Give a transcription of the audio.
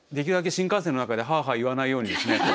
新幹線の中でハァハァ言わないようにですね。